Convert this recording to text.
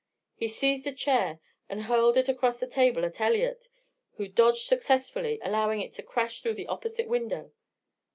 He seized a chair and hurled it across the table at Elliott, who dodged successfully, allowing it to crash through the opposite window.